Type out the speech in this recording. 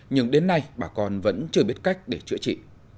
nhưng đến nay bà con vẫn chưa biết cách để chữa trị